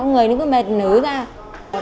người nó cứ mệt nứ ra